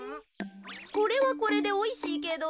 これはこれでおいしいけど。